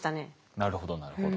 なるほどなるほど。